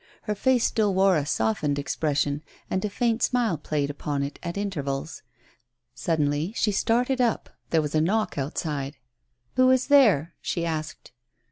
Her face still wore a softened expression, and a faint smile played upon it at intervals. Suddenly she started up. There was a knock outside. " Who is there ?" she asked.